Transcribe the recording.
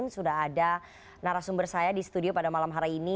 sudah ada narasumber saya di studio pada malam hari ini